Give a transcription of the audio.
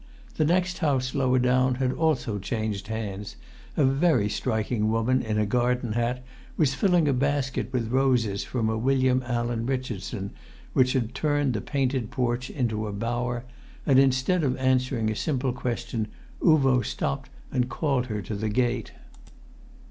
The next house lower down had also changed hands; a very striking woman, in a garden hat, was filling a basket with roses from a William Allen Richardson which had turned the painted porch into a bower; and instead of answering a simple question, Uvo stopped and called her to the gate.